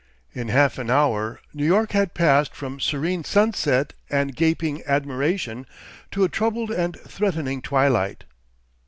In half an hour New York had passed from serene sunset and gaping admiration to a troubled and threatening twilight.